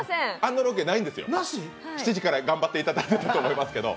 ７時から頑張っていただいていたと思うんですけど。